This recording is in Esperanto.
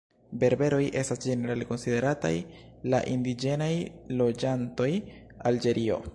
Berberoj estas ĝenerale konsiderataj la indiĝenaj loĝantoj Alĝerio.